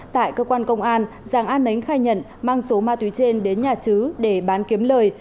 tại cơ quan công an giàng an nấnh khai nhận mang số ma túy trên đến nhà chứ để bán kiếm lời